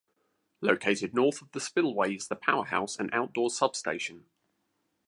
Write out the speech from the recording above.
Located North of the spillway is the powerhouse and outdoor substation.